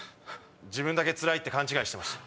自分だけつらいって勘違いしてました。